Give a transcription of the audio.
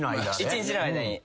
一日の間に。